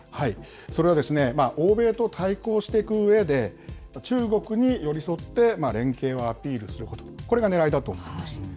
それは欧米と対抗していくうえで、中国に寄り添って連携をアピールすること、これがねらいだと思います。